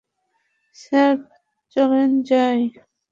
Sir চলেন যাই।